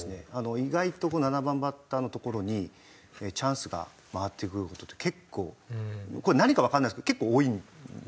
意外と７番バッターのところにチャンスが回ってくる事って結構これ何かわからないんですけど結構多いんですよね。